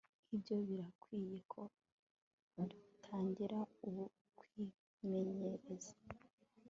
nkibyo birakwiriye ko dutangira ubu kwimenyereza